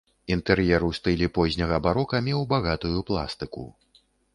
Інтэр'ер у стылі позняга барока меў багатую пластыку.